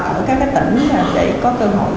ở các tỉnh để có cơ hội